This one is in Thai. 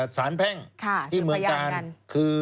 สวัสดีครับ